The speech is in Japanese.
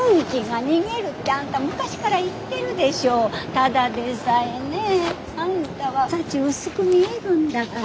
ただでさえねあんたは幸薄く見えるんだから。